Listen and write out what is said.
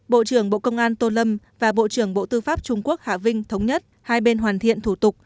bộ trưởng bộ công an tô lâm và bộ trưởng bộ tư pháp trung quốc hạ vinh thống nhất hai bên hoàn thiện thủ tục